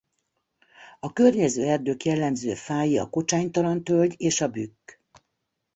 A környező erdők jellemző fái a kocsánytalan tölgy és a bükk.